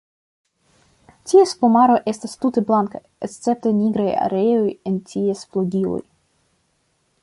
Ties plumaro estas tute blanka escepte nigraj areoj en ties flugiloj.